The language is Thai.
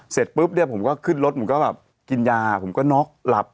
เสร็จปุ๊บผมก็ขึ้นรถผมกินยาผมก็น็อกหลับ